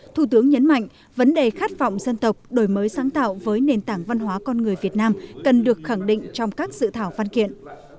thủ tướng nhấn mạnh vấn đề khát vọng dân tộc đổi mới sáng tạo với nền tảng văn hóa con người việt nam cần được khẳng định trong các dự thảo văn kiện